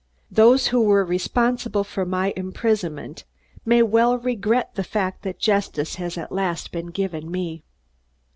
"Those who were responsible for my imprisonment may well regret the fact that justice has at last been given me.